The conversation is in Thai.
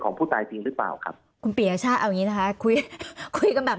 ของผู้ตายจริงหรือเปล่าครับคุณเปียช่าเอานี้นะคะคุยกันแบบ